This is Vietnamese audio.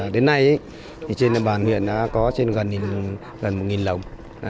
đến nay trên địa bàn huyện đã có trên gần một lồng